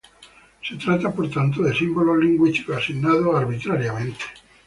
Se trata por tanto de símbolos lingüísticos asignados arbitrariamente.